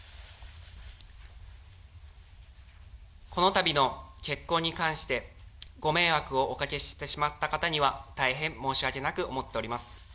このたびの結婚に関して、ご迷惑をおかけしてしまった方には大変申し訳なく思っております。